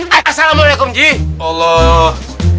assalamualaikum ji allah